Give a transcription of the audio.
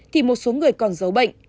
thì một số người còn giấu bệnh